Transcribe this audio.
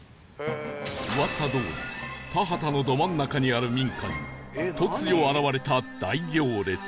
噂どおり田畑のど真ん中にある民家に突如現れた大行列